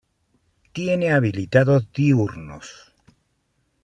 Tiene hábitos diurnos.